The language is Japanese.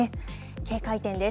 警戒点です。